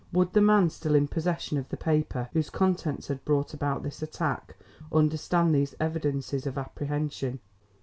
Would the man still in possession of the paper whose contents had brought about this attack understand these evidences of apprehension?